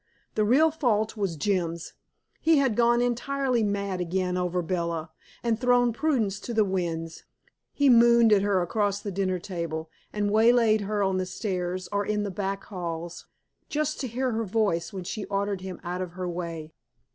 The real fault was Jim's. He had gone entirely mad again over Bella, and thrown prudence to the winds. He mooned at her across the dinner table, and waylaid her on the stairs or in the back halls, just to hear her voice when she ordered him out of her way.